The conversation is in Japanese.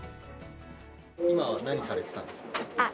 今は何されてたんですか？